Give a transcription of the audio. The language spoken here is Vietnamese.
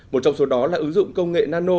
một trong số đó là ứng dụng công nghệ nano